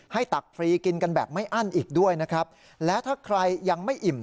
ตักฟรีกินกันแบบไม่อั้นอีกด้วยนะครับและถ้าใครยังไม่อิ่ม